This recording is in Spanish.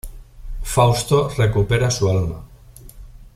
Fausto recupera su alma.